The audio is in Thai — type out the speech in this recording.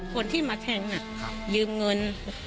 คนที่มาแทงยืมเงิน